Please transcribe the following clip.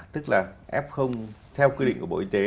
tức là f theo quy định của bộ y tế